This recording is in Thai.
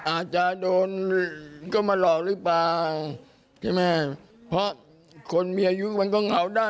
อาจจะโดนก็มาหลอกหรือเปล่าใช่ไหมเพราะคนมีอายุมันก็เหงาได้